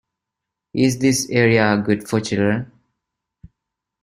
Is this area good for children?